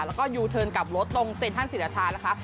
แล้วก็ยูเทิร์นกลับรถตรงเซ็นทันศิรชานะคะ